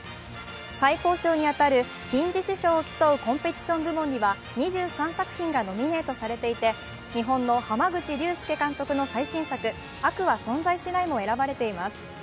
最高賞に当たる金獅子賞を競うコンペティション部門には２３作品がノミネートされていて日本の濱口竜介監督の最新作「悪は存在しない」も選ばれています。